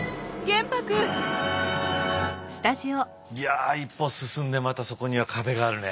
いや一歩進んでまたそこには壁があるね。